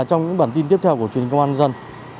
trong những bản tin tiếp theo của truyền hình công an dân